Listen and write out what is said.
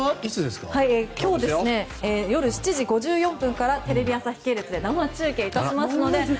今日夜７時５４分からテレビ朝日系列で生中継いたしますので。